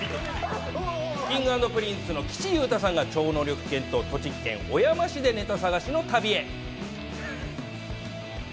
Ｋｉｎｇ＆Ｐｒｉｎｃｅの岸優太さんが超能力犬と栃木県小山市でネタ探しの旅へ。